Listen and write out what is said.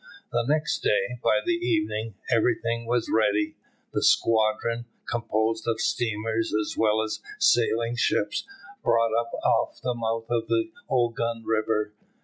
The next day, by the evening, everything was ready. The squadron, composed of steamers as well as sailing ships, brought up off the mouth of the Ogun river.